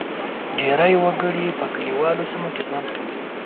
ډېری وګړي په کلیوالي سیمو کې ژوند کوي.